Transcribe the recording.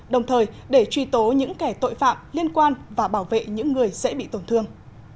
đồng thời để truy tố những kẻ tội phạm liên quan và bảo vệ những người dễ bị tổn thương